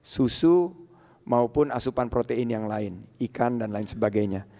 susu maupun asupan protein yang lain ikan dan lain sebagainya